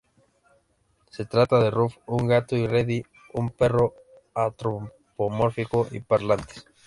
Se trata de Ruff, un gato y Reddy, un perro, antropomórficos y parlantes.